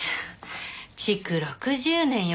築６０年よ。